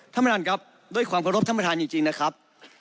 ท่านประธานครับด้วยความขอรบท่านประธานจริงนะครับ